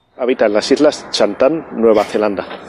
Habita en las Islas Chatham Nueva Zelanda.